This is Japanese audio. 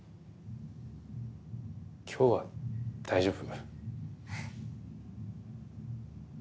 今日は大丈夫。